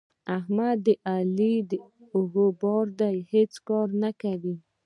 احمد د علي د اوږو بار دی؛ هیڅ کار نه کوي.